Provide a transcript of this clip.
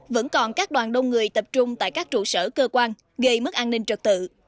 vẫn còn các đoàn đông người tập trung tại các trụ sở cơ quan gây mất an ninh trật tự